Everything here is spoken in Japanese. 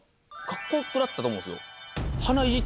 格好良くなったと思うんですよ。